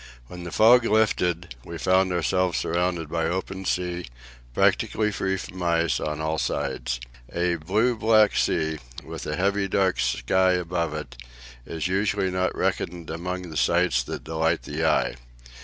When the fog lifted, we found ourselves surrounded by open sea, practically free from ice, on all sides. A blue black sea, with a heavy, dark sky above it, is not usually reckoned among the sights that delight the eye.